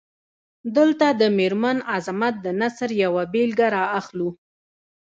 دلته د میرمن عظمت د نثر یوه بیلګه را اخلو.